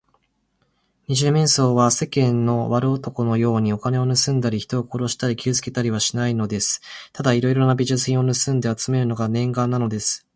二十面相は、世間の悪漢のように、お金をぬすんだり、人を殺したり、傷つけたりはしないのです。ただいろいろな美術品をぬすみあつめるのが念願なのです。